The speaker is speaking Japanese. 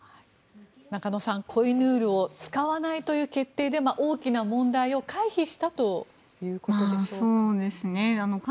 中野さんコ・イ・ヌールを使わないという決定で大きな問題を回避したということでしょうか。